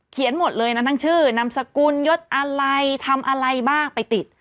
หมดเลยนะทั้งชื่อนามสกุลยศอะไรทำอะไรบ้างไปติด